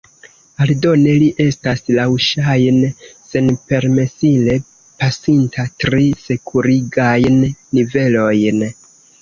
Aldone li estas laŭŝajne senpermesile pasinta tri sekurigajn nivelojn.